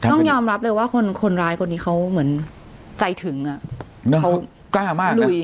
ต้องยอมรับเลยว่าคนร้ายคนนี้เขาเหมือนใจถึงอ่ะเขากล้ามาก